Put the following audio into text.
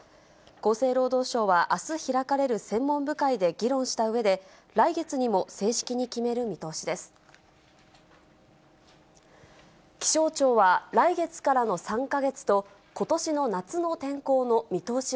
厚生労働省はあす開かれる専門部会で議論したうえで、来月にも正式に決める見通しです。